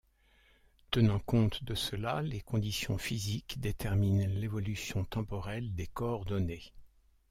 Tenant compte de cela les conditions physiques déterminent l'évolution temporelle des coordonnées.